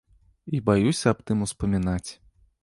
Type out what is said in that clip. І баюся аб тым успамінаць.